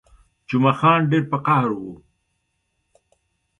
جمعه خان ډېر په قهر وو.